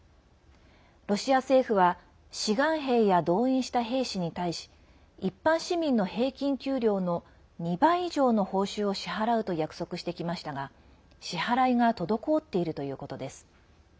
ロシア政府は志願兵や動員した兵士に対し一般市民の平均給料の２倍以上の報酬を支払うと約束してきましたが支払いが滞っているということです。